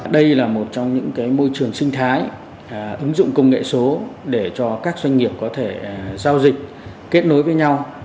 đây là một trong những môi trường sinh thái ứng dụng công nghệ số để cho các doanh nghiệp có thể giao dịch kết nối với nhau